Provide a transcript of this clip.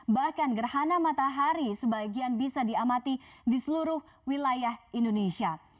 bahkan gerhana matahari sebagian bisa diamati di seluruh wilayah indonesia